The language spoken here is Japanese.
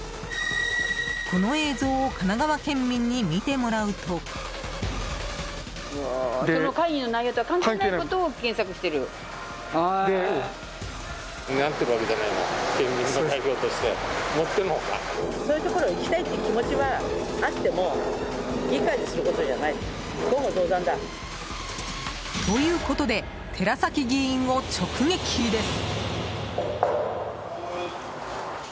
この映像を神奈川県民に見てもらうと。ということで寺崎議員を直撃です。